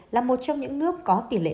là một trong những nước có tỷ lệ